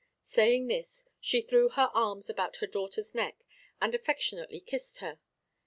Saying this, she threw her arms about her daughter's neck, and affectionately kissed her.